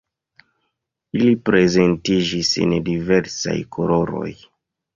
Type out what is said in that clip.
Ili prezentiĝis en diversaj koloroj.